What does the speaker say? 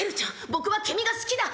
僕は君が好きだ」。